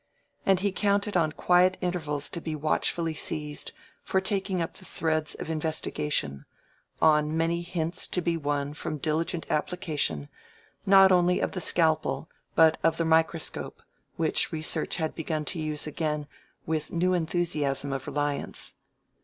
And he counted on quiet intervals to be watchfully seized, for taking up the threads of investigation—on many hints to be won from diligent application, not only of the scalpel, but of the microscope, which research had begun to use again with new enthusiasm of reliance.